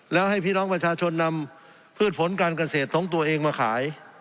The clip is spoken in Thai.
แล้วให้พี่น้องประชาชนนำพืชผลการเกษตรของตัวเองมาขาย